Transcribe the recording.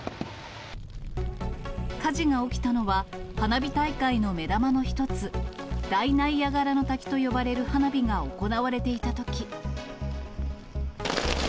火事が起きたのは、花火大会の目玉の一つ、大ナイアガラの滝と呼ばれる花火が行われていたとき。